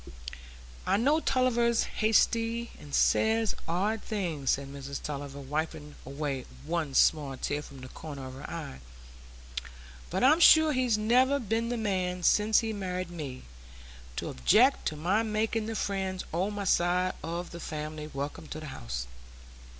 "I know Tulliver's hasty, and says odd things," said Mrs Tulliver, wiping away one small tear from the corner of her eye; "but I'm sure he's never been the man, since he married me, to object to my making the friends o' my side o' the family welcome to the house."